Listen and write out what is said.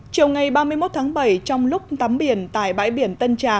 chiều ngày ba mươi một tháng bảy trong lúc tắm biển tại bãi biển tân trà